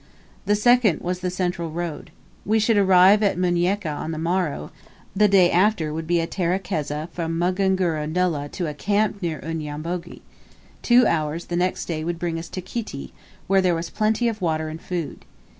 The second was the central road. We should arrive at Munieka on the morrow; the day after would be a terekeza from Mabunguru Nullah to a camp near Unyambogi; two hours the next day would bring us to Kiti, where there was plenty of water and food.